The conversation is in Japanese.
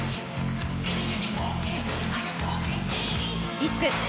リスク。